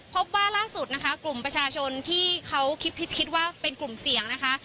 พบว่าล่าสุดนะคะกลุ่มประชาชนที่เขาคิดว่าเป็นกลุ่มเสี่ยงนะคะ